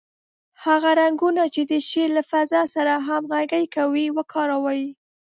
هغه رنګونه چې د شعر له فضا سره همغږي کوي، وکاروئ.